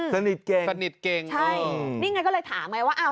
สนิทเก่งใช่นี่ไงก็เลยถามไงว่า